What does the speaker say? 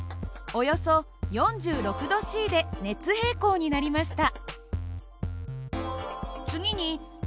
およそ４０℃で熱平衡になりました。